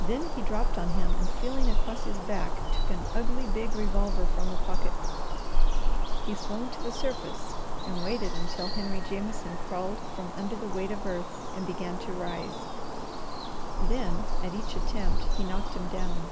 Then he dropped on him and feeling across his back took an ugly, big revolver from a pocket. He swung to the surface and waited until Henry Jameson crawled from under the weight of earth and began to rise; then, at each attempt, he knocked him down.